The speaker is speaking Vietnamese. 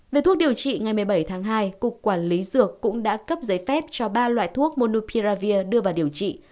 về thuốc điều trị ngày một mươi bảy tháng hai cục quản lý dược cũng đã cấp giấy phép cho ba loại thuốc monupiravir đưa vào điều trị